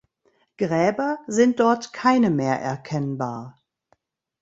Gräber sind dort keine mehr erkennbar.